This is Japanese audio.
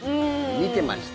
見てました？